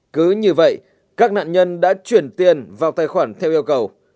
cứ như vậy các nạn nhân đã chuyển tiền vào tài khoản theo yêu cầu